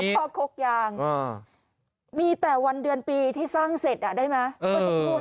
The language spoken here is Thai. แต่พอโคกยางมีแต่วันเดือนปีที่สร้างเสร็จอ่ะได้ไหม